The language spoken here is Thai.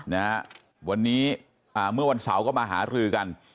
นะฮะวันนี้อ่าเมื่อวันเสาร์ก็มาหารือกัน